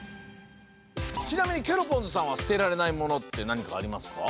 ちなみにケロポンズさんはすてられないものってなにかありますか？